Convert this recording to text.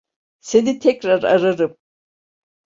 Seni tekrar ararım.